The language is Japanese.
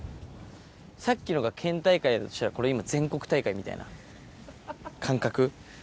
さっきのが県大会だとしたら、これ今、全国大会みたいな感覚。